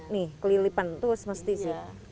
nih kelilipan itu semestinya